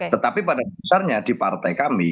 tetapi pada dasarnya di partai kami